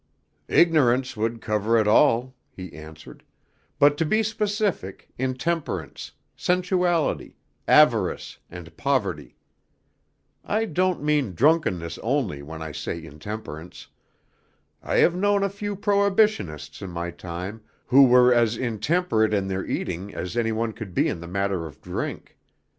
"Ignorance would cover it all," he answered, "but to be specific, intemperance, sensuality, avarice, and poverty. I don't mean drunkenness only, when I say intemperance. I have known a few prohibitionists in my time who were as intemperate in their eating as any one could be in the matter of drink.